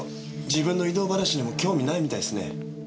自分の異動話にも興味ないみたいですね。